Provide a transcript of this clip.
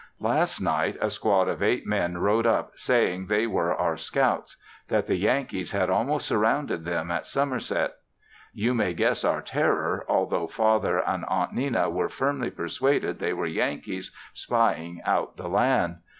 Last night a squad of eight men rode up saying they were our scouts; that the Yankees had almost surrounded them at Somerset. You may guess our terror altho' Father and Aunt Nenna were firmly persuaded they were Yankees spying out the land.